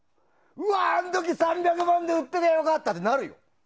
あの時３００万円で売ってりゃ良かったってなるよ。